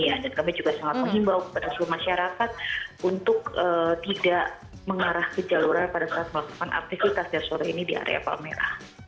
dan kami juga sangat mengimbau kepada semua masyarakat untuk tidak mengarah ke jalur pada saat melakukan aktivitas di area palmera